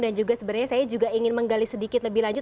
dan juga sebenarnya saya juga ingin menggali sedikit lebih lanjut